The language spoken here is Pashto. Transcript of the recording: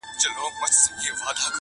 کله غل کله مُلا سي کله شیخ کله بلا سي-